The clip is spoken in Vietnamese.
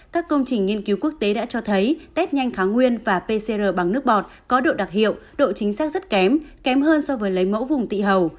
các công trình nghiên cứu quốc tế đã cho thấy test nhanh kháng nguyên và pcr bằng nước bọt có độ đặc hiệu độ chính xác rất kém kém hơn so với lấy mẫu vùng tị hầu